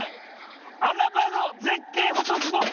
「穴場の絶景フォトスポット